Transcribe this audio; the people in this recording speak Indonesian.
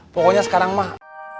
pokoknya sekarang mah